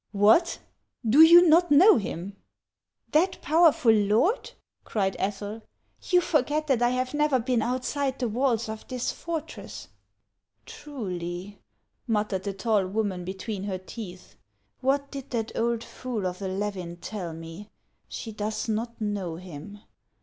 " What ! do you not know him ?"" That powerful lord !" cried Ethel. " You forget that I have never been outside the walls of this fortress." HANS OF ICELAND. 375 "Truly," muttered the tall woman between her teeth. " What did that old fool of a Levin tell me ? She does not know him.